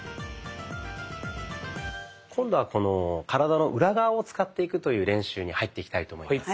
今度は体の裏側を使っていくという練習に入っていきたいと思います。